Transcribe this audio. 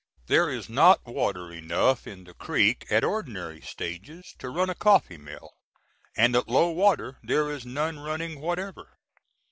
There is not water enough in the creek at ordinary stages to run a coffee mill, and at low water there is none running whatever.